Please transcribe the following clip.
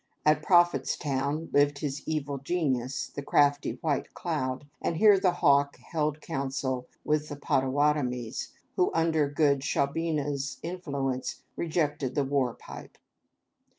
At Prophetstown lived his evil genius, the crafty White Cloud, and here the Hawk held council with the Pottawattomies, who, under good Shaubena's influence, rejected the war pipe.